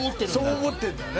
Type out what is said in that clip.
そう思ってんだよね